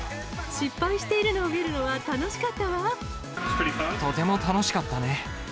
失敗しているのを見るのは楽とても楽しかったね。